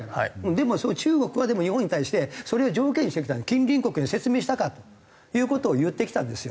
でも中国は日本に対してそれを条件にしてきた近隣国に説明したかっていう事を言ってきたんですよ。